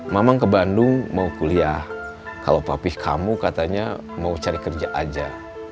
mama ke bandung mau kuliah kalau papih kamu katanya mau cari kerja aja